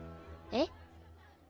えっ？